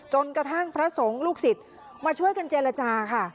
กระทั่งพระสงฆ์ลูกศิษย์มาช่วยกันเจรจาค่ะ